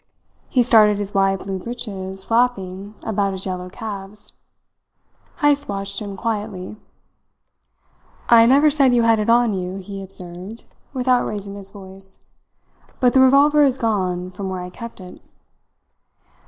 He started his wide blue breeches flapping about his yellow calves. Heyst watched him quietly. "I never said you had it on you," he observed, without raising his voice; "but the revolver is gone from where I kept it."